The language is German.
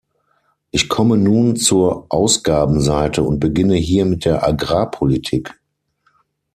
Ich komme nun zur Ausgabenseite und beginne hier mit der Agrarpolitik.